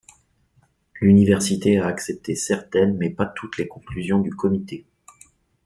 L'université a accepté certaines mais pas toutes les conclusions du comité.